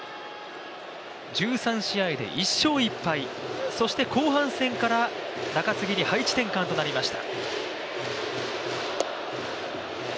１３試合で１勝１敗、そして後半戦から中継ぎに配置転換となりました。